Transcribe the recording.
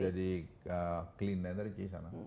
jadi clean energy sana